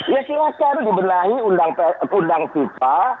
ya silahkan dibenahi undang kita